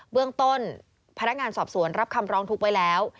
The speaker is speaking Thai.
เรื่องต้นพนักงานสอบสวนรับคำร้องทุกข์ไว้แล้ว